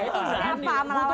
itu melawan siapa